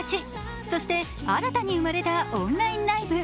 そして新たに生まれたオンラインライブ。